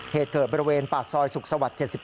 เหตุเกิดบริเวณปากซอยสุขสวรรค์๗๙